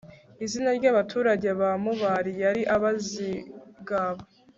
izina ry'abaturage ba mubali yari abazigaba